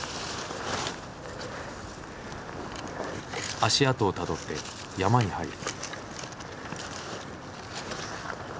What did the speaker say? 足跡をたどって山に入る。